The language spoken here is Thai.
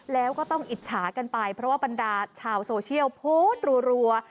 แล้วก็ต้องอิจฉากันไปเพราะว่าบรรดาชาวโซเชียลโพสต์รัว